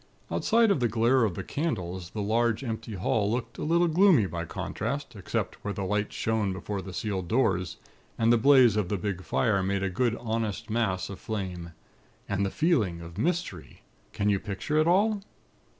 Outside of the glare of the candles, the large empty hall looked a little gloomy, by contrast, except where the lights shone before the sealed doors, and the blaze of the big fire made a good honest mass of flame. And the feeling of mystery! Can you picture it all?